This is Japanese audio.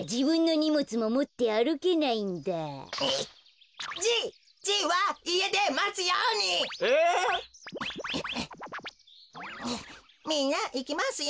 みんないきますよ。